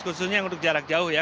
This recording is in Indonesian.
khususnya untuk jarak jauh ya